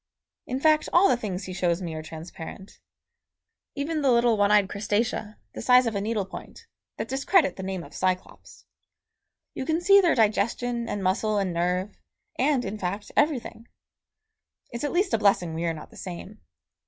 In fact all the things he shows me are transparent. Even the little one eyed Crustacea, the size of a needle point, that discredit the name of Cyclops. You can see their digestion and muscle and nerve, and, in fact, everything. It's at least a blessing we are not the same.